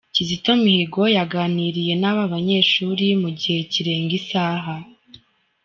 Kizito Mihigo yaganiriye n'aba banyeshuri mu gihe kirenga isaha.